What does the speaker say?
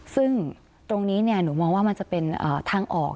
ซึ่งตรงนี้หนูมองว่ามันจะเป็นทางออก